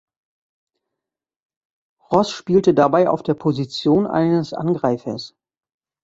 Ross spielte dabei auf der Position eines Angreifers.